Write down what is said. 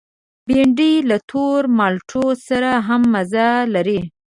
بېنډۍ له تور مالټو سره هم مزه لري